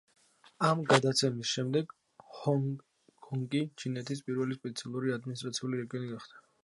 ამ გადაცემის შემდეგ ჰონგ-კონგი ჩინეთის პირველი სპეციალური ადმინისტრაციული რეგიონი გახდა.